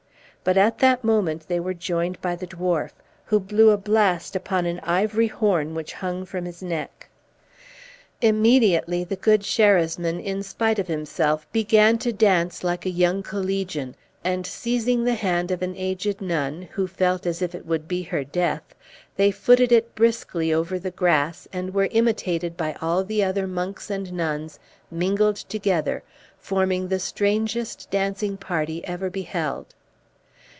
But at that moment they were joined by the dwarf, who blew a blast upon an ivory horn which hung from his neck. Immediately the good Sherasmin, in spite of himself, began to dance like a young collegian, and seizing the hand of an aged nun, who felt as if it would be her death, they footed it briskly over the grass, and were imitated by all the other monks and nuns, mingled together, forming the strangest dancing party ever beheld.